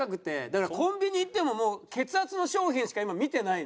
だからコンビニ行ってももう血圧の商品しか今見てない。